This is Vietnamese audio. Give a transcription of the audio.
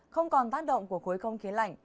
không còn tác động của khối không khí lạnh